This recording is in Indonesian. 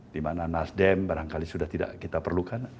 dimana nasdem barangkali sudah tidak kita perlukan